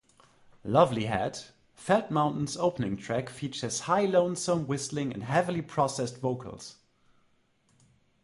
"Lovely Head", "Felt Mountain"'s opening track, features high lonesome whistling and heavily processed vocals.